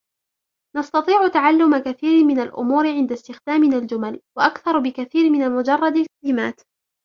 نستطيع تعلم كثير من الأمور عند استخدامنا الجُمَل. وأكثر بكثير من مجرد الكلمات.